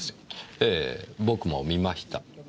ええ僕も見ました。